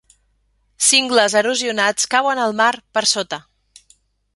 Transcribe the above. Cingles erosionats cauen al mar per sota.